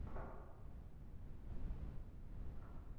আপনিও না বেশি করে ফেলতেছেন!